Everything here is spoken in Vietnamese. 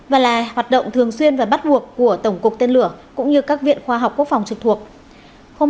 và là hoạt động thường xuyên và bắt buộc của tổng cục tên lửa cũng như các viện khoa học quốc phòng trực thuộc